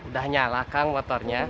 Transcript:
udah nyala kang motornya